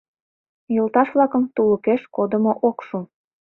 Йолташ-влакым тулыкеш кодымо ок шу.